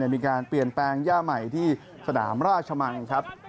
มีการเปลี่ยนแปลงย่าใหม่ที่สนามราชมังครับ